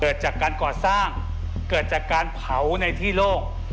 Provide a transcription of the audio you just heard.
เกิดจากการก่อสร้างเกิดจากการเผาในที่โลก